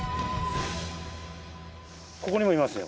ここにもいますよ。